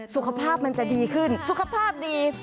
สุขภาพมันจะดีขึ้นสุขภาพดี